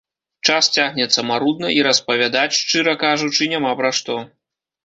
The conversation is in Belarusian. Час цягнецца марудна, і распавядаць, шчыра кажучы, няма пра што.